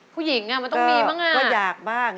ผู้หญิงมันต้องมีบ้างก็อยากบ้าง